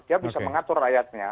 dia bisa mengatur rakyatnya